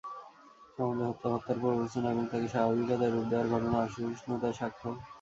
সমাজে হত্যা, হত্যার প্ররোচনা এবং তাকে স্বাভাবিকতায় রূপ দেওয়ার ঘটনা অসহিষ্ণুতার সাক্ষ্য।